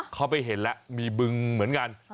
เข้าไปเห็นแล้วมีบึงเหมือนกัน